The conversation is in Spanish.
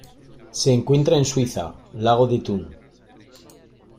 Se encuentra en Suiza: Lago de Thun.